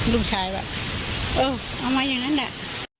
ลูกชายว่าเออเอามาอย่างนั้นแหละ